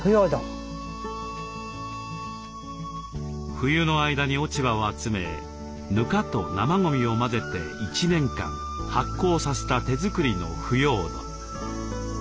冬の間に落ち葉を集めぬかと生ごみを混ぜて１年間発酵させた手作りの腐葉土。